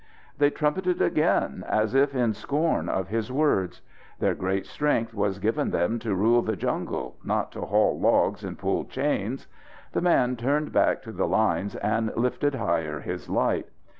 They trumpeted again, as if in scorn of his words. Their great strength was given them to rule the jungle, not to haul logs and pull chains! The man turned back to the lines and lifted higher his light.